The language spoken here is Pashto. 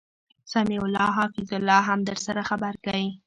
سمیع الله او حفیظ الله هم درسره خبرکی